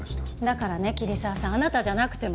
だからね桐沢さんあなたじゃなくてもね。